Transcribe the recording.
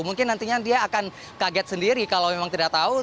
mungkin nantinya dia akan kaget sendiri kalau memang tidak tahu